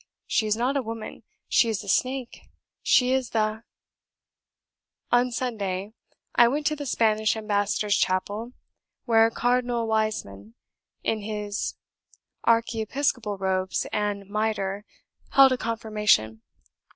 She is not a woman; she is a snake; she is the . On Sunday I went to the Spanish Ambassador's Chapel, where Cardinal Wiseman, in his archiepiscopal robes and mitre, held a confirmation.